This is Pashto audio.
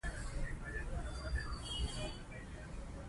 هغه وویل چې په سړو اوبو کې لامبېدل د زړه ټکان لوړوي.